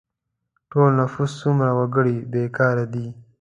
د ټول نفوس څومره وګړي بې کاره دي؟